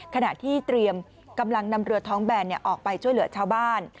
ขณะที่เตรียมกำลังนำเรือท้องแบนออกไปช่วยเหลือชาวบ้าน